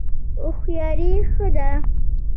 هوښیاري ښه ده.